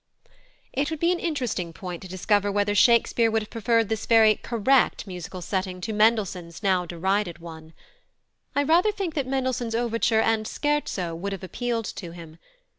It would be an interesting point to discover whether Shakespeare would have preferred this very "correct" musical setting to Mendelssohn's now derided one. I rather think that Mendelssohn's Overture and Scherzo would have appealed to him.